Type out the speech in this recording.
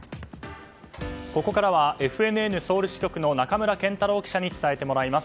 ここからはＦＮＮソウル支局の仲村健太郎記者に伝えてもらいます。